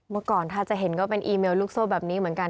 เมื่อก่อนถ้าจะเห็นก็เป็นอีเมลลูกโซ่แบบนี้เหมือนกัน